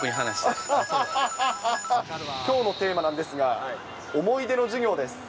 きょうのテーマなんですが、思い出の授業です。